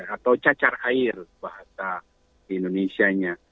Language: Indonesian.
atau cacar air bahasa indonesia nya